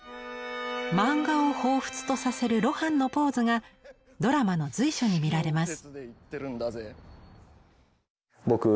漫画を彷彿とさせる露伴のポーズがドラマの随所に見られます。